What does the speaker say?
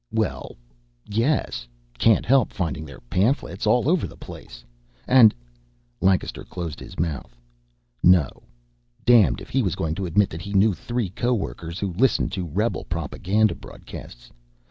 "Well, yes. Can't help finding their pamphlets. All over the place. And " Lancaster closed his mouth. No, damned if he was going to admit that he knew three co workers who listened to rebel propaganda broadcasts.